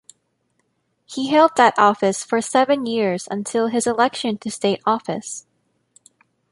He held that office for seven years until his election to state office.